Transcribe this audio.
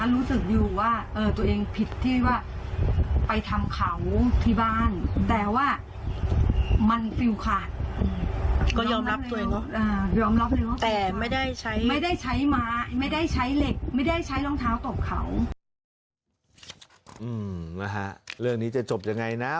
รู้สึกอยู่ว่าตัวเองผิดที่ว่า